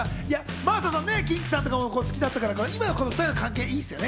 真麻さん、キンキさんとかも好きだから、今の関係性いいですよね？